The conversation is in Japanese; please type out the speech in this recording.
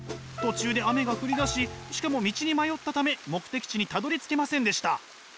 途中で雨が降りだししかも道に迷ったため目的地にたどりつけませんでした。